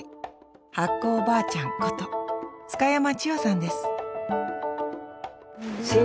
発酵おばあちゃんこと津嘉山千代さんです